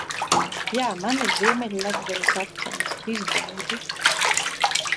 Jā, man ir Ziemeļlatgales akcents. Izbaudi!